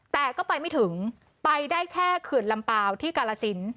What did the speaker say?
แต่ก็ไปไม่ถึงไปได้แค่เขื่อนลำเปล่าที่กาลสิน